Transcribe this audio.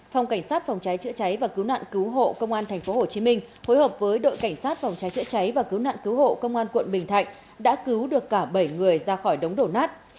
phòng cảnh sát phòng trái chữa cháy và cứu nạn cứu hộ công an tp hcm hối hợp với đội cảnh sát phòng trái chữa cháy và cứu nạn cứu hộ công an tp hcm đã cứu được cả bảy người ra khỏi đống đổ nát